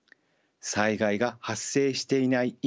災害が発生していない